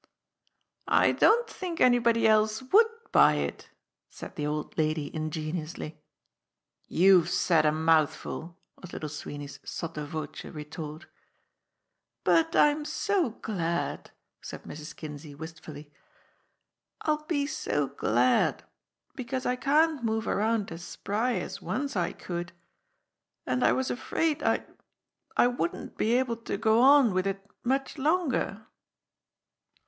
"I don't think anybody else would buy it," said the old lady ingenuously. "You've said a mouthful !" was Little Sweeney's sotto voce retort. "But I'm so glad," said Mrs. Kinsey wistfully. "I'll be so glad, because I can't move around as spry as once I could. And I was afraid I'd I wouldn't be able to go on with it much longer."